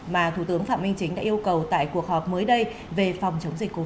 mà thủ tướng phạm minh chính đã yêu cầu tại cuộc họp mới đây về phòng chống dịch covid một mươi chín